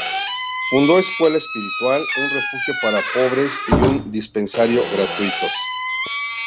Fundó una escuela espiritual, un refugio para pobres y un dispensario gratuitos.